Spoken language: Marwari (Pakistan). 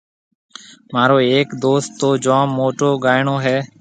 مهارو هيَڪ دوست تو جوم موٽو گائيڻو هيَ۔